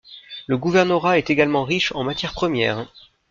Le gouvernorat est également riche en matières premières.